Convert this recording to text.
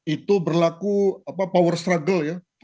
itu berlaku power struggle ya